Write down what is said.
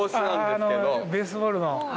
ベースボールの。